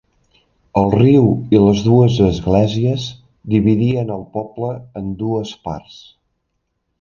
El riu i les dues esglésies dividien el poble en dues parts.